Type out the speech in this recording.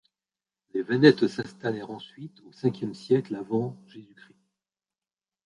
Les Vénètes s'installèrent ensuite au Ve siècle av.